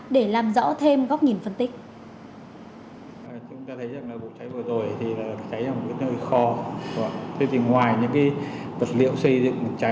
để làm rõ thêm góc nhìn phân tích